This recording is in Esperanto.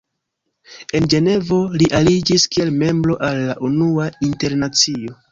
En Ĝenevo, li aliĝis kiel membro al la Unua Internacio.